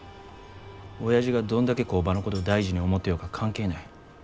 おやじがどんだけ工場のことを大事に思ってようが関係ない。